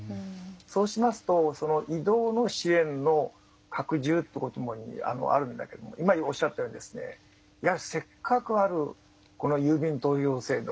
そうしますとその移動の支援の拡充ってこともあるんだけども今おっしゃったようにですねやはりせっかくあるこの郵便投票制度